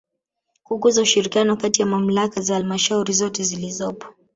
Kukuza ushirikiano kati ya Mamlaka za Halmashauri zote zilizopo